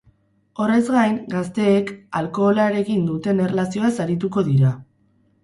Horrez gain, gazteek alkholarekin duten erlazioaz arituko dira.